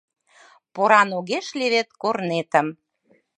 Поран огеш левед корнетым